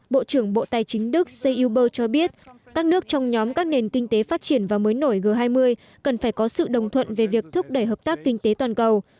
bộ trưởng bộ tài chính đức seuber cho biết các nước trong nhóm các nền kinh tế phát triển và mới nổi g hai mươi cần phải có sự đồng thuận về việc thúc đẩy hợp tác kinh tế toàn cầu